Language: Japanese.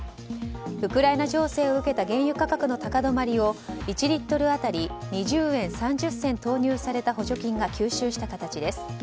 ウクライナ情勢を受けた原油価格の高止まりを１リットル当たり２０円３０銭投入された補助金が吸収した形です。